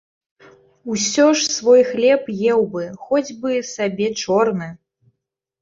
Усё ж свой хлеб еў бы, хоць бы сабе чорны!